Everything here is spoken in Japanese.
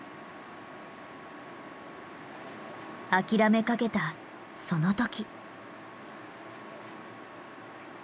諦めかけたその時。